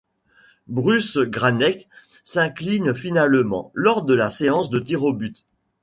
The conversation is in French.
Bruce Grannec s’incline finalement lors de la séance de tirs au but.